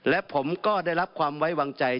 และผมก็ได้รับความไว้วางใจ